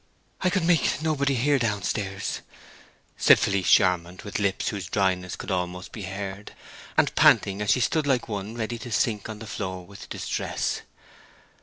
"I could make nobody hear down stairs," said Felice Charmond, with lips whose dryness could almost be heard, and panting, as she stood like one ready to sink on the floor with distress.